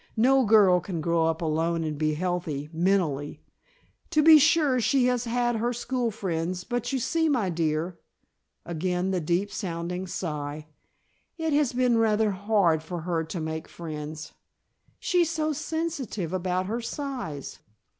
No girl can grow up alone and be healthy, mentally. To be sure, she has had her school friends, but you see, my dear," again the deep sounding sigh, "it has been rather hard for her to make friends. She's so sensitive about her size.